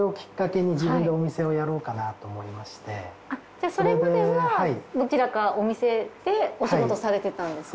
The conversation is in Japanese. じゃそれまではどちらかお店でお仕事されてたんですか？